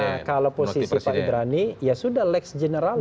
nah kalau posisi pak idrani ya sudah lex general